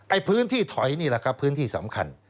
พื้นที่ถอยนี่แหละครับพื้นที่สำคัญ